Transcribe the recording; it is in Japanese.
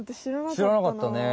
しらなかったね。